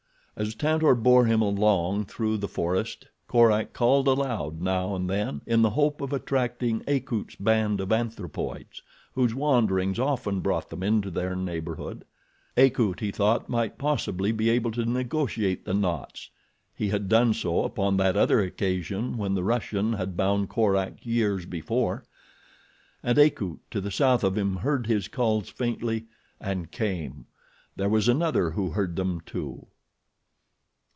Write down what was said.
As Tantor bore him along through the forest Korak called aloud now and then in the hope of attracting Akut's band of anthropoids, whose wanderings often brought them into their neighborhood. Akut, he thought, might possibly be able to negotiate the knots—he had done so upon that other occasion when the Russian had bound Korak years before; and Akut, to the south of him, heard his calls faintly, and came. There was another who heard them, too.